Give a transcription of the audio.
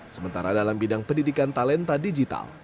sementara dalam bidang pendidikan talenta digital